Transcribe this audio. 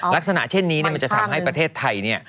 ลักษณะเช่นนี้มันจะทำให้ประเทศไทยเนี่ย